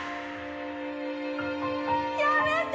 やめて！